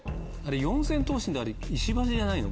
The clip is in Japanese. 四千頭身って石橋じゃないの？